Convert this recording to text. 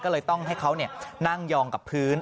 ก็เลยต้องให้เขานั่งยองกับพื้น